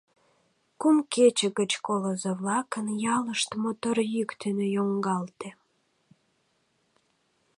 Кум кече гыч колызо-влакын ялышт мотор йӱк дене йоҥгалте.